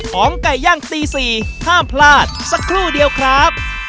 ไก่ย่างตี๔ห้ามพลาดสักครู่เดียวครับ